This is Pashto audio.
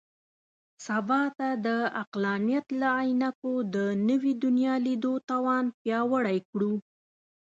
سبا ته د عقلانیت له عینکو د نوي دنیا لیدو توان پیاوړی کړو.